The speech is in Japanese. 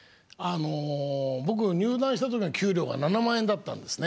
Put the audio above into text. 僕入団した時の給料が７万円だったんですね。